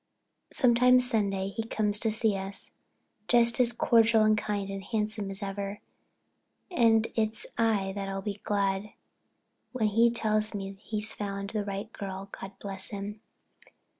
Sometimes Sunday he comes to see us, just as cordial and kind and handsome as ever, and it's I that'll be glad when he tells me he's found the right girl—God bless him!